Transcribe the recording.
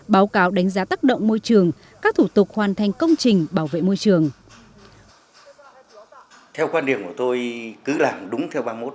báo cáo đánh giá tác động môi trường các thủ tục hoàn thành công trình bảo vệ môi trường